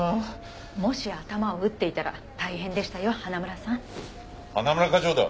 もし頭を打っていたら大変でしたよ花村さん。花村課長だ。